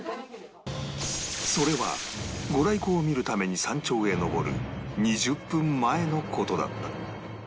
それは御来光を見るために山頂へ登る２０分前の事だった